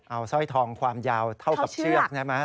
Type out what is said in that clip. เอาสร้อยทองความยาวเท่ากับเชือกใช่ไหม